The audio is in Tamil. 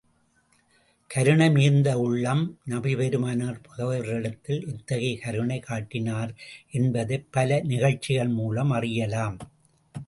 கருணை மிகுந்த உள்ளம் நபி பெருமானார், பகைவர்களிடத்தில் எத்தகைய கருணை காட்டினார்கள் என்பதைப் பல நிகழ்ச்சிகள் மூலம் அறியலாம்.